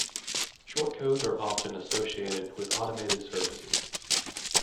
Short codes are often associated with automated services.